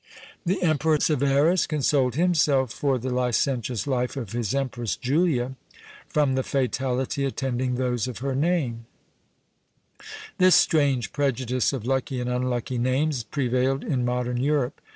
The Emperor Severus consoled himself for the licentious life of his empress Julia, from the fatality attending those of her name. This strange prejudice of lucky and unlucky names prevailed in modern Europe.